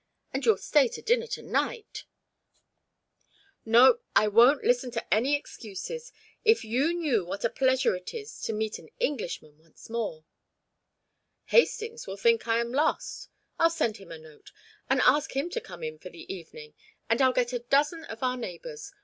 And you'll stay to dinner to night no, I won't listen to any excuses. If you knew what a pleasure it is to meet an Englishman once more!" "Hastings will think I am lost " "I'll send him a note, and ask him to come in for the evening, and I'll get in a dozen of our neighbours.